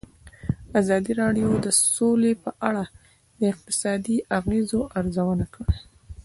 ازادي راډیو د سوله په اړه د اقتصادي اغېزو ارزونه کړې.